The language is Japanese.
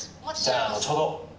じゃあ、後ほど。